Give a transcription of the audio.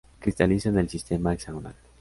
Cristaliza en el sistema hexagonal.